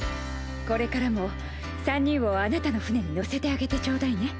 これからも３人をあなたの船に乗せてあげてちょうだいね。